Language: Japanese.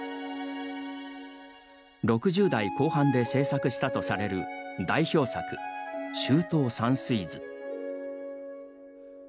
６０代後半で制作したとされる代表作「秋冬山水図」。